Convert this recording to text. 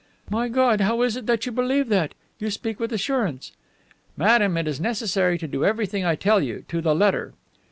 "My God, how is it that you believe that? You speak with assurance." "Madame, it is necessary to do everything I tell you, to the letter."